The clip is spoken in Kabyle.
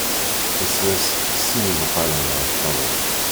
Isres sin n ibuqalen ɣef ṭṭabla.